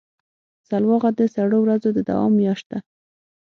سلواغه د سړو ورځو د دوام میاشت ده.